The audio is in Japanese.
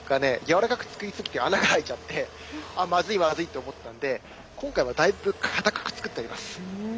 軟らかく作りすぎて穴が開いちゃって「あっまずいまずい」って思ったんで今回はだいぶ硬く作ってあります。